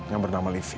yang bernama livi